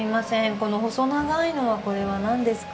この細長いのはこれはなんですか？